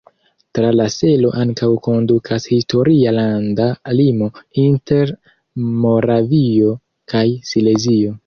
Tra la selo ankaŭ kondukas historia landa limo inter Moravio kaj Silezio.